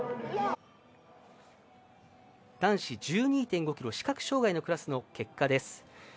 男子１２．５ｋｍ視覚障がいのクラスの結果です。